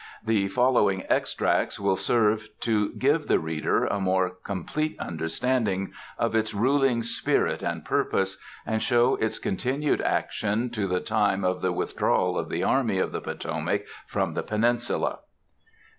The following extracts will serve to give the reader a more complete understanding of its ruling spirit and purpose, and show its continued action to the time of the withdrawal of the army of the Potomac from the Peninsula.